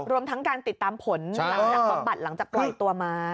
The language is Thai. รวมทั้งการติดตามผลหลังจากบำบัดหลังจากปล่อยตัวมา